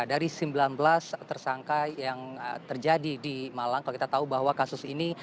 dari sembilan belas tersangka yang terjadi di malang kalau kita tahu bahwa kasus ini